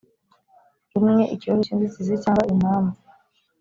rumwe ikibazo cy inzitizi cyangwa impamvu